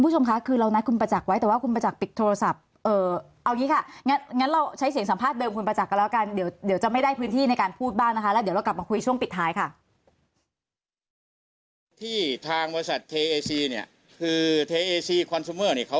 พูดบ้างนะคะแล้วเดี๋ยวเรากลับมาคุยช่วงปิดท้ายค่ะ